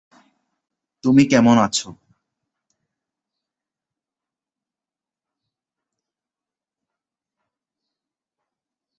এছাড়া এখানে উন্মুক্ত শাখা রয়েছে।